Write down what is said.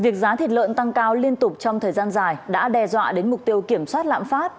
việc giá thịt lợn tăng cao liên tục trong thời gian dài đã đe dọa đến mục tiêu kiểm soát lạm phát